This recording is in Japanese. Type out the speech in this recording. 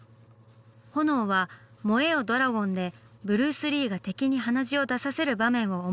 ホノオは「燃えよドラゴン」でブルース・リーが敵に鼻血を出させる場面を思い出しています。